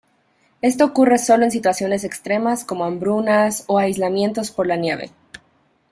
Esto ocurre sólo en situaciones extremas como hambrunas o aislamiento por la nieve.